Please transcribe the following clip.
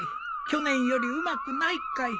去年よりうまくないかい。